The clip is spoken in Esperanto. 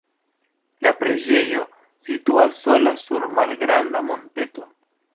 La preĝejo situas sola sur malgranda monteto.